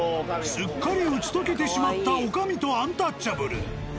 すっかり打ち解けてしまった女将とアンタッチャブル。